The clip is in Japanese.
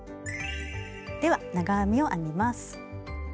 では長編みを編みます。